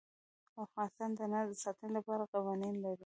افغانستان د انار د ساتنې لپاره قوانین لري.